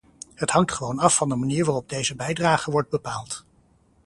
Het hangt gewoon af van de manier waarop deze bijdrage wordt bepaald.